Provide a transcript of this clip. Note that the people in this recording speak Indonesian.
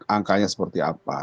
angkanya seperti apa